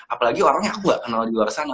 apalagi orangnya aku gak kenal di luar sana